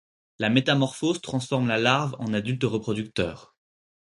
La métamorphose transforme la larve en adulte reproducteur.